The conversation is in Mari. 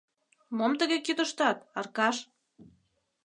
— Мом тыге кӱтыштат, Аркаш?